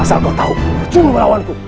asal kau tahu curu merawanku